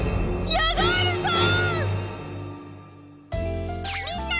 ヤガールさん！